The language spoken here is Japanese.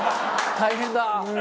大変だ。